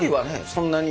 そんなに。